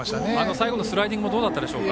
最後のスライディングもどうだったでしょうか？